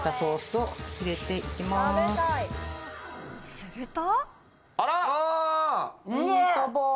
すると。